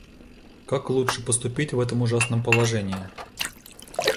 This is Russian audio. Как лучше поступить в этом ужасном положении?